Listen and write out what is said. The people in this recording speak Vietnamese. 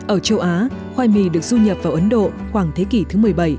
ở châu á khoai mì được du nhập vào ấn độ khoảng thế kỷ thứ một mươi bảy